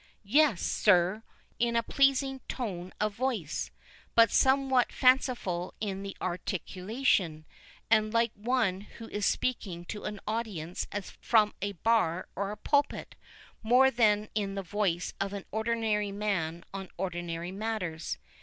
"Yes, sir, in a pleasing tone of voice, but somewhat fanciful in the articulation, and like one who is speaking to an audience as from a bar or a pulpit, more than in the voice of ordinary men on ordinary matters.